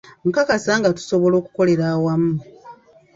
Nkakasa nga tusobola okukolera awamu.